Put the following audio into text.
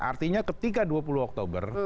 artinya ketika dua puluh oktober